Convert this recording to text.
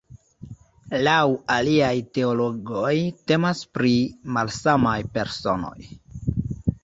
Laŭ aliaj teologoj temas pri malsamaj personoj.